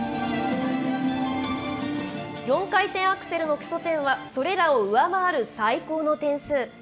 ４回転アクセルの基礎点は、それらを上回る最高の点数。